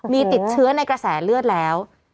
มีติดเชื้อในกระแสเลือดแล้ว